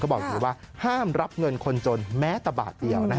เขาบอกอยู่ว่าห้ามรับเงินคนจนแม้ตะบาทเดียว